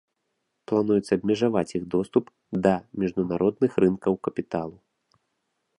Плануецца абмежаваць іх доступ да міжнародных рынкаў капіталу.